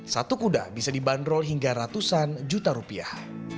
satu kuda bisa dibanderol hingga ratusan juta rupiah